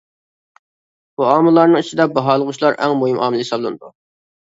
بۇ ئامىللارنىڭ ئىچىدە باھالىغۇچىلار ئەڭ مۇھىم ئامىل ھېسابلىنىدۇ.